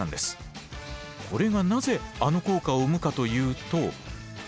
これがなぜあの効果を生むかというと。